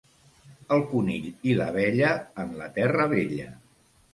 El conill i l'abella, en la terra vella.